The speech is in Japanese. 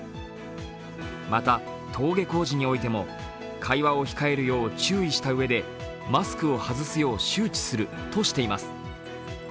また、登下校時においても会話を控えるよう注意したうえで、マスクを外すよう周知するとしています。